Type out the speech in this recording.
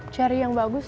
cara yang bagus